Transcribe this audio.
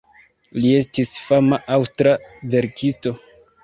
Li estis fama aŭstra verkisto.